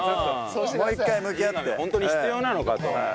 ホントに必要なのかと。